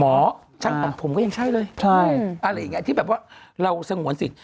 ช่างตัดผมก็ยังใช่เลยใช่อะไรอย่างนี้ที่แบบว่าเราสงวนสิทธิ